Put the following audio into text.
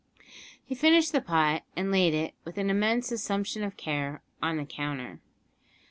He finished the pot, and laid it, with an immense assumption of care, on the counter.